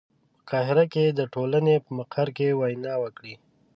په قاهره کې د ټولنې په مقر کې وینا وکړي.